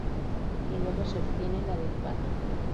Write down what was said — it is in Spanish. Y luego se obtiene la derivada.